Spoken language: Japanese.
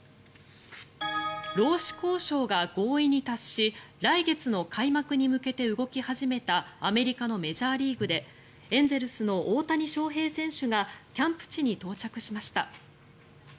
労使交渉が合意に達し来月の開幕に向けて動き始めたアメリカのメジャーリーグでエンゼルスの大谷翔平選手がキャンプ地に到着しました。